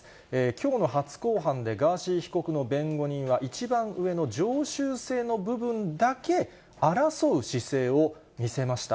きょうの初公判でガーシー被告の弁護人は、一番上の常習性の部分だけ争う姿勢を見せました。